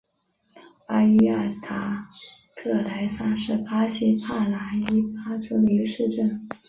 巴伊亚达特莱桑是巴西帕拉伊巴州的一个市镇。